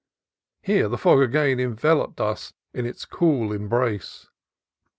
Here the fog again enveloped us in its cool embrace.